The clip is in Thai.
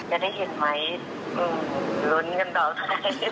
จะได้เห็นไหมลุ้นกันต่อค่ะ